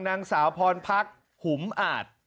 นางสาวพรพักหุมอาจ